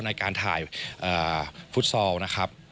ในการถ่ายฟุตซอลนะครับ